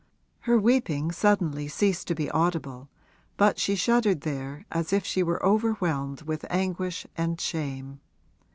Her weeping suddenly ceased to be audible, but she shuddered there as if she were overwhelmed with anguish and shame.